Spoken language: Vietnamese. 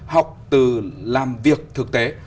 học từ làm việc thực tế